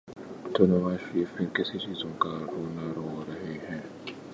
تو نواز شریف پھر کس چیز کا رونا رو رہے ہیں؟